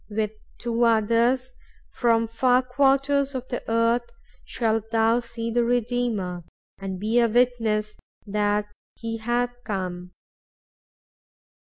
With two others, from far quarters of the earth, thou shalt see the Redeemer, and be a witness that he hath come.